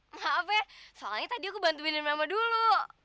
maaf ya soalnya tadi aku bantuin mama dulu